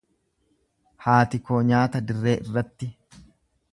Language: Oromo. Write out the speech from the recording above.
Haati koo nyaata dirree irratti.